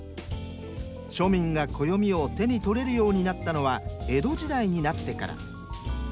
庶民が暦を手に取れるようになったのは江戸時代になってから。